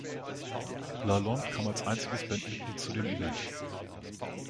LaLonde kam als einziges Bandmitglied zu dem Event.